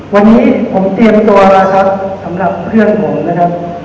วันนี้ผมเตรียมตัวแล้วครับสำหรับเพื่อนผมนะครับ